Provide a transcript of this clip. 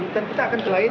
dan kita akan selain